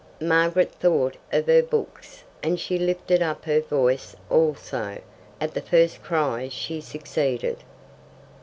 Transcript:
Margaret thought of her books, and she lifted up her voice also. At the first cry she succeeded.